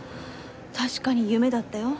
確かに夢だったよ。